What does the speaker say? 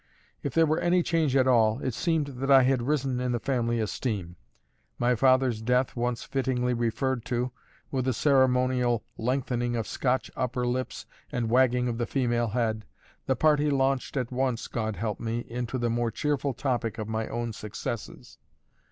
If there were any change at all, it seemed that I had risen in the family esteem. My father's death once fittingly referred to, with a ceremonial lengthening of Scotch upper lips and wagging of the female head, the party launched at once (God help me) into the more cheerful topic of my own successes.